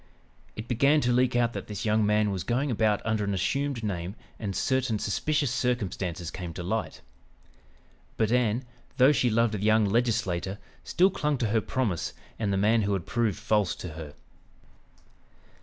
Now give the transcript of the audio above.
It began to leak out that this young man was going about under an assumed name and certain suspicious circumstances came to light. But Ann, though she loved the young legislator, still clung to her promise and the man who had proved false to her.